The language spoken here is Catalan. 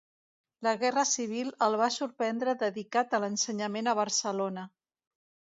La guerra civil el va sorprendre dedicat a l'ensenyament a Barcelona.